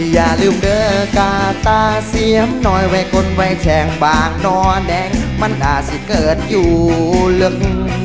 อย่าลืมเดอะกาต้าเสียมนอยไว้กลไว้แชงบางน่อแดงมันอาสิเกิดอยู่หลึก